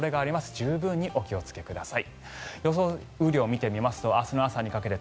十分にお気をつけください。